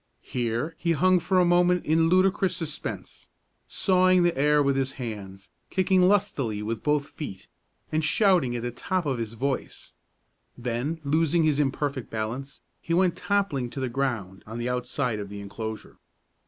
Here he hung for a moment in ludicrous suspense, sawing the air with his hands, kicking lustily with both feet, and shouting at the top of his voice; then, losing his imperfect balance, he went toppling to the ground on the outside of the enclosure.